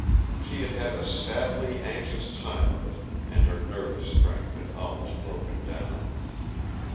she had had a sadly anxious time of it, and her nervous strength had almost broken down.